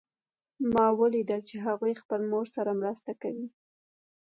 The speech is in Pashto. ما ولیدل چې هغوی خپل مور سره مرسته کوي